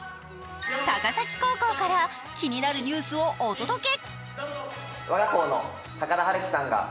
高崎高校から気になるニュースをお届け！